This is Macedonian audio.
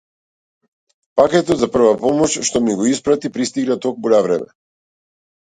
Пакетот за прва помош што ми го испрати пристигна токму на време.